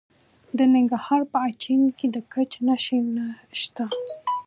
د ننګرهار په اچین کې د ګچ نښې شته.